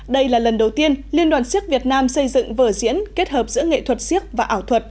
đây là lần đầu tiên liên đoàn siếc việt nam xây dựng vở diễn kết hợp giữa nghệ thuật siếc và ảo thuật